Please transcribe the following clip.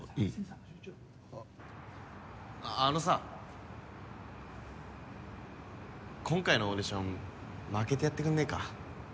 あのさ今回のオーディション負けてやってくんねえか？